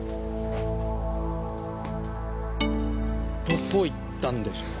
どこ行ったんでしょう？